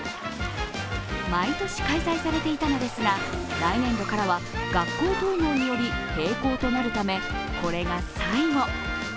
毎年開催されていたのですが、来年度からは学校統合により閉校となるため、これが最後。